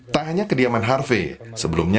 tak hanya kediaman harvey sebelumnya